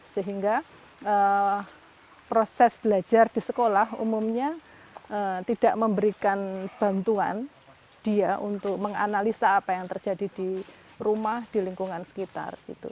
sehingga proses belajar di sekolah umumnya tidak memberikan bantuan dia untuk menganalisa apa yang terjadi di rumah di lingkungan sekitar